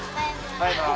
バイバイ